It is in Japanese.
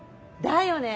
だよね？